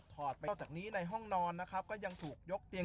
หมดเลยเหรอครับพี่